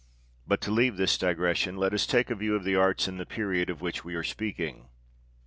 But to leave this digression, let us take a view of the arts in the period of which we are speaking.